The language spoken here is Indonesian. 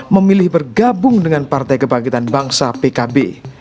memilih bergabung dengan partai kebangkitan bangsa pkb